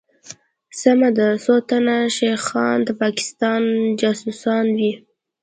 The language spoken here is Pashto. سمه ده څوتنه شيخان به دپاکستان جاسوسان وي